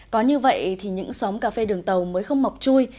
có như vậy thì những xóm cà phê đường tàu mới không mọc chui